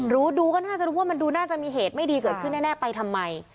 ดูก็น่าจะรู้ว่ามันดูน่าจะมีเหตุไม่ดีเกิดขึ้นแน่ไปทำไม